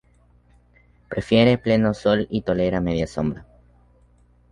Prefiere pleno sol y tolera media sombra.